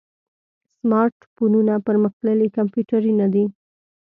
سمارټ فونونه پرمختللي کمپیوټرونه دي.